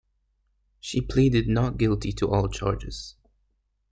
She pleaded not guilty to all charges.